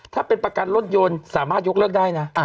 ถ้าเป็นประกันรถยนต์สามารถยกเลิกได้นะ